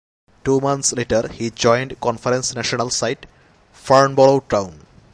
Two months later he joined Conference National side Farnborough Town.